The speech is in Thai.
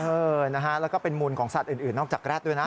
เออนะฮะแล้วก็เป็นมูลของสัตว์อื่นนอกจากแร็ดด้วยนะ